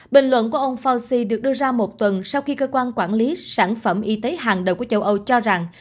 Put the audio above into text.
bình luận của ông fauci được đưa ra một tuần sau khi cơ quan quản lý sản phẩm y tế hàng đầu của châu âu cho rằng